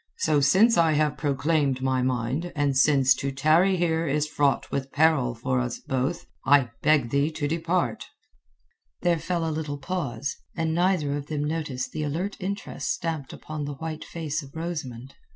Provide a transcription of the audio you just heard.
So since I have proclaimed my mind, and since to tarry here is fraught with peril for us both, I beg thee to depart." There fell a little pause, and neither of them noticed the alert interest stamped upon the white face of Rosamund.